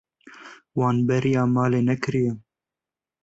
Wan bêriya malê nekiriye.